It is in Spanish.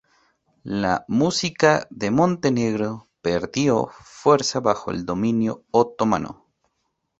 La música de Montenegro perdió fuerza bajo el dominio otomano.